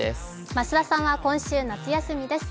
増田さんは今週夏休みです。